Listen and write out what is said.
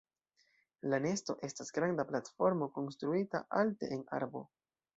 La nesto estas granda platformo konstruita alte en arbo.